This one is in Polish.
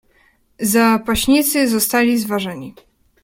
"Zapaśnicy zostali zważeni."